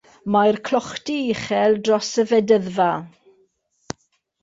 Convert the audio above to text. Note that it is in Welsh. Mae clochdy uchel dros y fedyddfa.